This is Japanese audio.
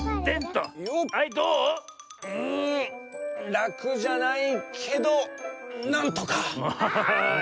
らくじゃないけどなんとか！